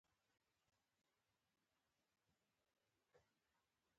ګل جانې: پلي به ولاړ شو، که نه نو ښاري بس به را ونیسو.